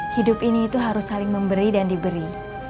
hidup ini itu harus saling memberi dan diberi